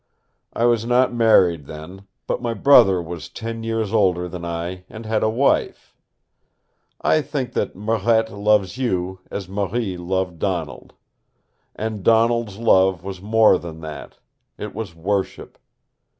I was not married then, but my brother was ten years older than I and had a wife. I think that Marette loves you as Marie loved Donald. And Donald's love was more than that. It was worship.